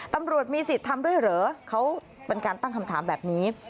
ตำรวจมีสิทธิ์ทำด้วยเหรอเขาเป็นการตั้งคำถามแบบนี้